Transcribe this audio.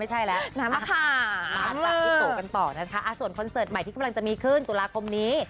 มาจากทิพย์โตกันต่อนะคะส่วนคอนเสิร์ตใหม่ที่กำลังจะมีขึ้นตุลาคมนี้